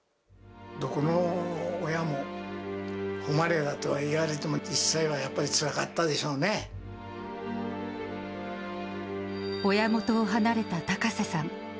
どこの親も誉れだとはいわれても、実際はやっぱりつらかったでしょ親元を離れた高瀬さん。